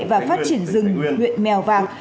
và phát triển rừng huyện mèo vạc